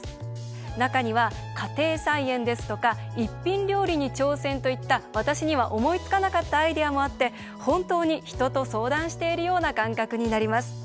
中には家庭菜園ですとか一品料理に挑戦といった私には思いつかなかったアイデアもあって本当に人と相談しているような感覚になります。